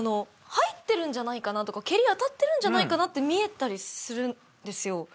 入ってるんじゃないかなとか蹴り当たってるんじゃないかなって見えたりするんですよ。